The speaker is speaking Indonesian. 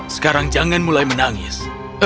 sekarang jangan mulai menangis